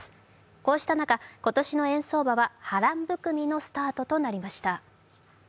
こうした中、今年の円相場は波乱含みのスタートとなりました。